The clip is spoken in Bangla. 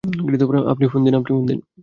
আপনি ফোন দিন।